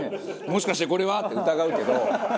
もしかしてこれはって疑うけど。